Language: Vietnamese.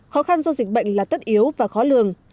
khó khăn do dịch bệnh là tất yếu và khó lường